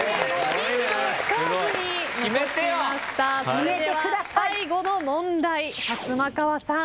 それでは最後の問題サツマカワさん。